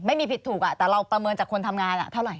ไม่มีผิดถูกแต่เราประเมินจากคนทำงานเท่าไหร